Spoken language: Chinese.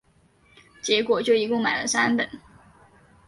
结果就一共买了三本